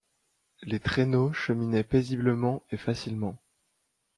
Les traîneaux cheminaient paisiblement et facilement.